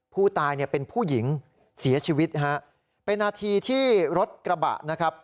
ผู้ตายเนี่ยเป็นผู้หญิงเสียชีวิตฮะเป็นนาทีที่รถกระบะนะครับ